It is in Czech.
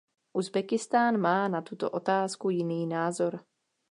Uzbekistán má na tuto otázku jiný názor.